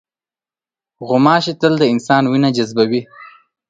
غوماشې تل د انسان وینه جذبوي.